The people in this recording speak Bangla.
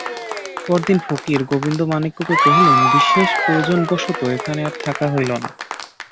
পরদিন ফকির গোবিন্দমাণিক্যকে কহিলেন, বিশেষ প্রয়োজনবশত এখানে আর থাকা হইল না।